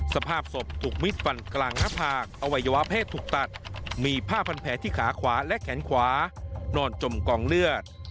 สภาพศพถูกมิดฟันกลางหน้าผากอวัยวะเพศถูกตัดมีผ้าพันแผลที่ขาขวาและแขนขวานอนจมกองเลือด